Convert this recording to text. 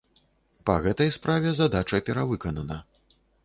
Па гэтай справе задача перавыканана.